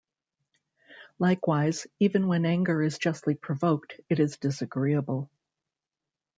Likewise, even when anger is justly provoked, it is disagreeable.